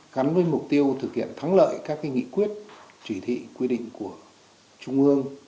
gắn với mục tiêu thực hiện thắng lợi các nghị quyết chỉ thị quy định của trung ương